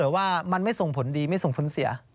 แต่ว่ามันไม่ส่งผลดีไม่ส่งผลเสีย